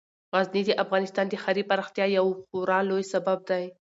غزني د افغانستان د ښاري پراختیا یو خورا لوی سبب دی.